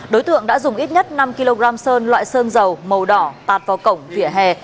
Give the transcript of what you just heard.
đối tượng đã dùng ít nhất năm kg sơn loại sơn dầu màu đỏ tạt vào cổng vỉa hè